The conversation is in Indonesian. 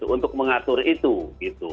untuk mengatur itu